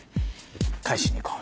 返しに行こう。